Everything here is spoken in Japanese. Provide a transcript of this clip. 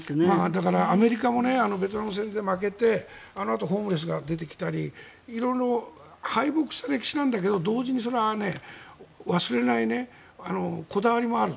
だからアメリカもベトナム戦争で負けてあのあとホームレスが出てきたり敗北した歴史があるんだけど同時に忘れないこだわりもある。